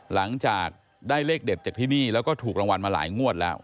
หลังจากได้เลขเด็ดจากที่นี่แล้วก็ถูกรางวัลมาหลายงวดแล้ว